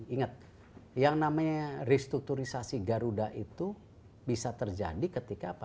ingat yang namanya restrukturisasi garuda itu bisa terjadi ketika apa